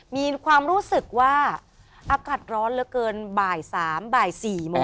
มีความรู้สึกว่าอากาศร้อนเหลือเกินบ่ายสามบ่ายสี่มองเหยียด